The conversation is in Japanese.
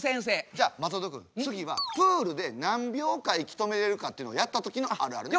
じゃあ松本君次はプールで何秒間息止めれるかっていうのやった時のあるあるね。